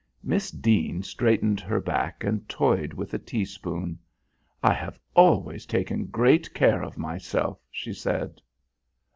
Miss Deane straightened her back and toyed with a teaspoon. "I have always taken great care of myself," she said.